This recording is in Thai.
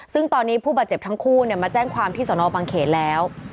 ซึ่งตอนนี้ผู้บาดเจ็บทั้งคู่มาแจ้งความที่สนบังเขตแล้ว